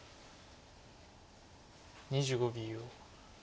２５秒。